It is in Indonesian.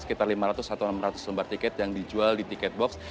sekitar lima ratus atau enam ratus lembar tiket yang dijual di tiket box